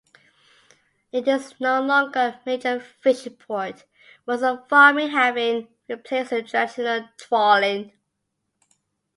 It is no longer a major fishing port, mussel-farming having replaced the traditional trawling.